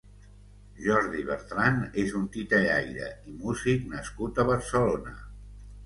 Jordi Bertran és un titellaire i músic nascut a Barcelona.